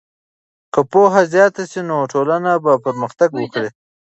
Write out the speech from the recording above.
که پوهه زیاته سي نو ټولنه به پرمختګ وکړي.